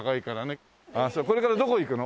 これからどこ行くの？